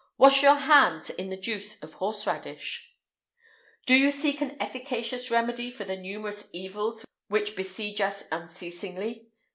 Wash your hands in the juice of horse radish.[IX 180] Do you seek an efficacious remedy for the numerous evils which besiege us unceasingly?